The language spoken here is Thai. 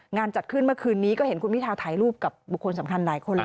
งานจัดขึ้นเมื่อกลีนนี้ก็เห็นคุณพิธาลถ่ายรูปกับผู้คนสำคัญหลายคน